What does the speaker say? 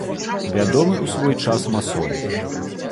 Вядомы ў свой час масон.